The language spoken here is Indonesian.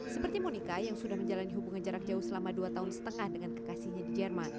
seperti monika yang sudah menjalani hubungan jarak jauh selama dua tahun setengah dengan kekasihnya di jerman